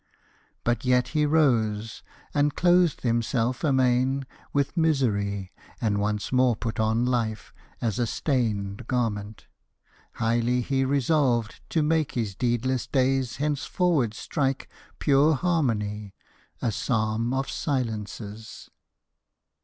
But yet he rose, and clothed himself amain With misery, and once more put on life As a stained garment. Highly he resolved To make his deedless days henceforward strike Pure harmony a psalm of silences.